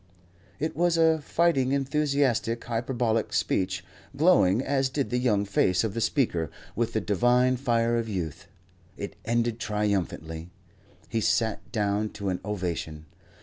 It was a fighting, enthusiastic, hyperbolic speech, glowing, as did the young face of the speaker, with the divine fire of youth. It ended triumphantly. He sat down to an ovation.